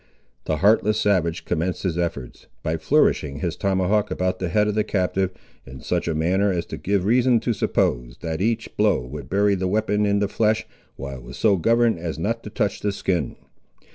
The heartless savage commenced his efforts, by flourishing his tomahawk about the head of the captive, in such a manner as to give reason to suppose, that each blow would bury the weapon in the flesh, while it was so governed as not to touch the skin.